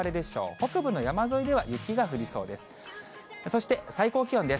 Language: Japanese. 北部の山沿いでは雪が降りそうです。